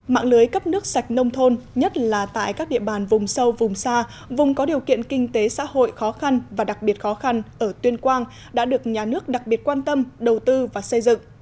mạng lưới cấp nước sạch nông thôn nhất là tại các địa bàn vùng sâu vùng xa vùng có điều kiện kinh tế xã hội khó khăn và đặc biệt khó khăn ở tuyên quang đã được nhà nước đặc biệt quan tâm đầu tư và xây dựng